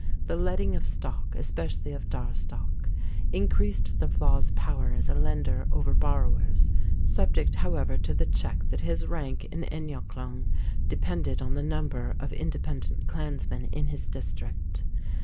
The letting of stock, especially of daer stock, increased the flaith's power as a lender over borrowers, subject, however, to the check that his rank and eineachlann depended on the number of independent clansmen in his district.